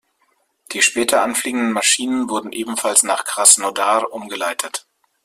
Die später anfliegenden Maschinen wurden ebenfalls nach Krasnodar umgeleitet.